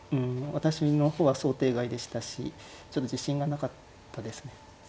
私の方は想定外でしたしちょっと自信がなかったですね。